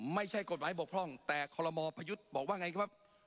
ไม่ใช่กฎหมายบกพร่องแต่คอลโมประยุทธ์บอกว่าไงครับ